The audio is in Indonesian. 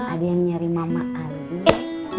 ada yang nyari mama adu